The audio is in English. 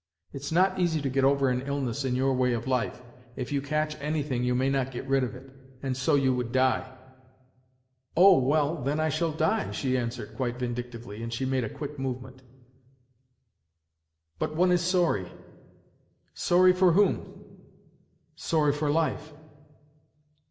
It's not easy to get over an illness in your way of life. If you catch anything you may not get rid of it. And so you would die/' " Oh, well, then I shall die," she answered, quite vindictively, and she made a quick movement " But one is sorry." " Sorry for whom ?"" Sorry for life."